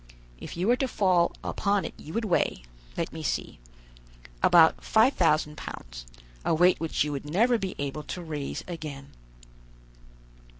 If you were to fall upon it you would weigh—let me see—about 5,000 pounds, a weight which you would never be able to raise again."